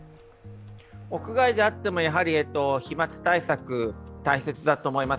屋外であっても、飛まつ対策、大切だと思います。